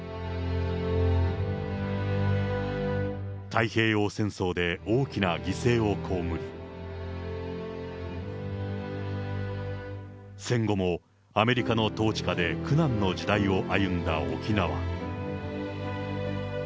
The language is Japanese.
太平洋戦争で大きな犠牲を被り、戦後もアメリカの統治下で苦難の時代を歩んだ沖縄。